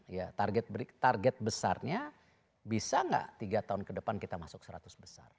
ya target besarnya bisa nggak tiga tahun ke depan kita masuk seratus besar